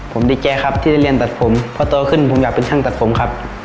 ผมดีใจครับที่ได้เรียนตัดผมเพราะโตขึ้นผมอยากเป็นช่างตัดผมครับ